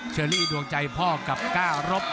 เชอรี่ดวงใจพ่อกับก้ารบ